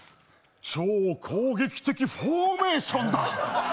超攻撃的フォーメーションだ。